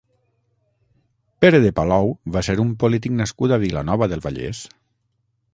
Pere de Palou va ser un polític nascut a Vilanova del Vallès.